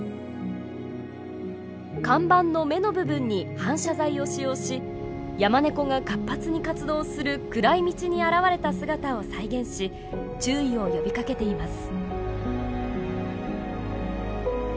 看板の目の部分に反射材を使用しヤマネコが活発に活動する暗い道に現れた姿を再現し注意を呼びかけています。